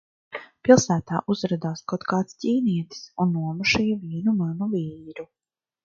Pilsētā uzradās kaut kāds ķīnietis un nomušīja vienu manu vīru.